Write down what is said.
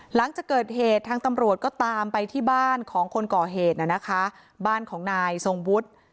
หลังจากเกิดเหตุทางตำรวจก็ตามไปที่บ้านของคนก่อเหตุน่ะนะคะบ้านของนายทรงวุฒิ